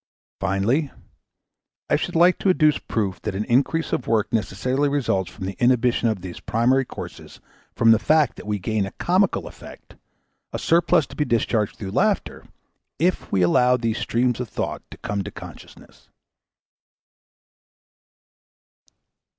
Finally, I should like to adduce proof that an increase of work necessarily results from the inhibition of these primary courses from the fact that we gain a comical effect, a surplus to be discharged through laughter, if we allow these streams of thought to come to consciousness.